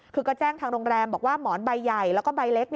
คือก็แจ้งทางโรงแรมบอกว่าหมอนใบใหญ่แล้วก็ใบเล็ก